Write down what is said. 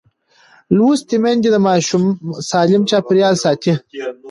لوستې میندې د ماشوم سالم چاپېریال ساتي.